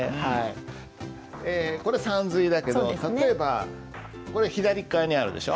これさんずいだけど例えばこれ左側にあるでしょ？